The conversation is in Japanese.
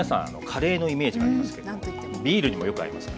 カレーのイメージがありますけどビールにもよく合います。